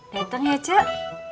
dateng ya cek